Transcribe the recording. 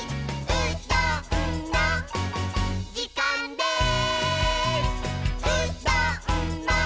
「うどんのじかんです！」